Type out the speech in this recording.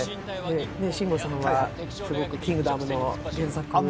慎吾さんはすごく「キングダム」の原作のファンで。